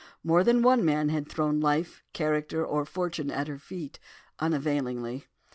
More than one man had thrown life, character, or fortune at her feet, unavailingly.